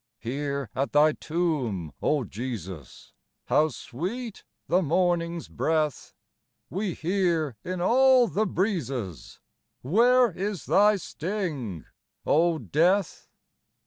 Here at Thy tomb, O Jesus ! How sweet the morning's breath ! We hear in all the breezes, — Where is thy sting, O Death